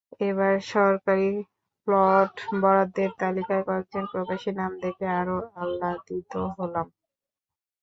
এবার সরকারি প্লট বরাদ্দের তালিকায় কয়েকজন প্রবাসীর নাম দেখে আরও আহ্লাদিত হলাম।